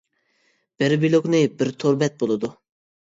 بىر بىلوگنى بىر تور بەت بولىدۇ.